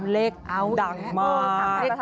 เลขดังมาก